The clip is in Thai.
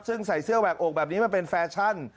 ซึ่งใส่เสื้อแหวกอกแบบนี้มาเป็นแฟชั่น